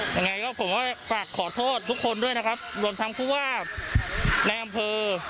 ยังไงก็ผมก็ฝากขอโทษทุกคนด้วยนะครับรวมทั้งผู้ว่าในอำเภอ